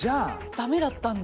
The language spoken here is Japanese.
駄目だったんだ。